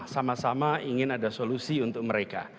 sama sama ingin ada solusi untuk mereka